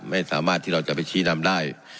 ไม่สามารถที่เราจะไปชี้นำได้